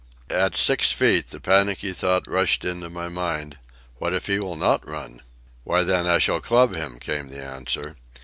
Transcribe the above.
At six feet the panicky thought rushed into my mind, What if he will not run? Why, then I shall club him, came the answer.